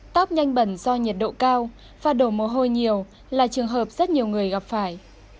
tóp nhanh bẩn do nhiệt độ cao và đổ mồ hôi nhiều là trường hợp rất nhiều người gặp phải